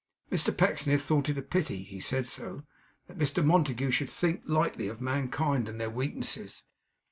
Mr Pecksniff thought it a pity (he said so) that Mr Montague should think lightly of mankind and their weaknesses.